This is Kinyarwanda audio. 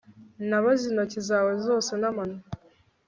nabaze intoki zawe zose n'amano